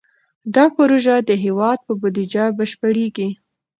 دا پروژه د هېواد په بودیجه بشپړېږي.